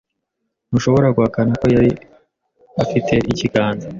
Ntushobora guhakana ko yari afite ikiganza.